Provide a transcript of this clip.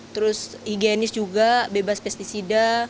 terus higienis juga bebas pesticida